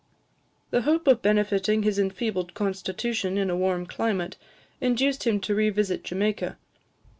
The hope of benefiting his enfeebled constitution in a warm climate induced him to revisit Jamaica.